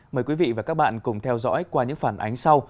mời quý vị và các bạn cùng theo dõi qua những phản ánh sau